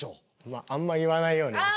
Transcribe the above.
まああんまり言わないようには。